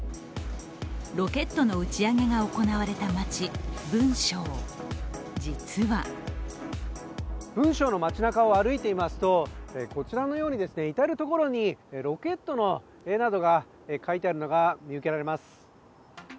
ロケットの打ち上げが行われた町・文昌、実は文昌の街なかを歩いていますと、こちらのように至る所にロケットの絵などが描いてあるのが見受けられます。